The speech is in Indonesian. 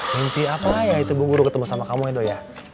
mimpi apa ya itu gue ngurus ketemu sama kamu ya doi